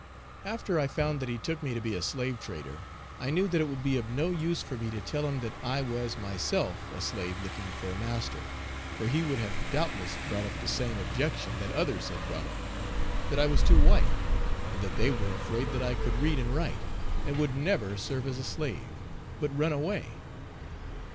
After I found that he took me to be a slave trader I knew that it would be of no use for me to tell him that I was myself a slave looking for a master, for he would have doubtless brought up the same objection that others had brought up, that I was too white; and that they were afraid that I could read and write; and would never serve as a slave, but run away.